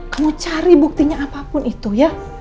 kamu cari buktinya apapun itu ya